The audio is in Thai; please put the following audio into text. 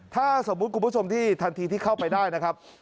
ถ้าสมมุติคุณผู้ชมที่ทันทีที่เข้าไปได้นะครับ